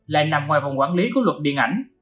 lại nằm ngoài vòng quản lý của luật điện ảnh